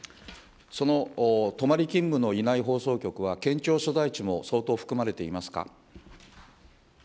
その泊まり勤務のいない放送局は、県庁所在地も相当含まれていますか。